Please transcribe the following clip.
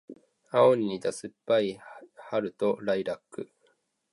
青に似た酸っぱい春とライラック